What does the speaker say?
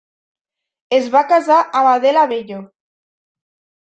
Es va casar amb Adela Bello.